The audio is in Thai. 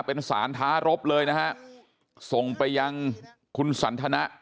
เป็นสารท้ารบเลยนะฮะส่งไปยังคุณสันทนะ